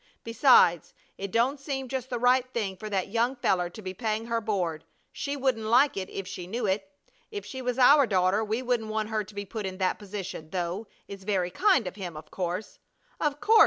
Besides, it don't seem just the right thing for that young feller to be paying her board. She wouldn't like it if she knew it. If she was our daughter we wouldn't want her to be put in that position, though it's very kind of him of course " "Of course!"